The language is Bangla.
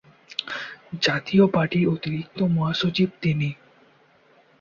জাতীয় পার্টির অতিরিক্ত মহাসচিব তিনি।